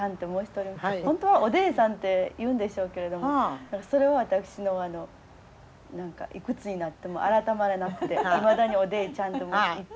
本当はおでえさんと言うんでしょうけれどもそれは私の何かいくつになっても改まれなくていまだにおでえちゃんと申しておりますけれども。